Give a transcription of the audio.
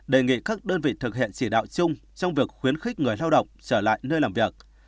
đề nghị các đơn vị thực hiện chỉ đạo chung trong việc khuyến khích người lao động trở lại nơi làm việc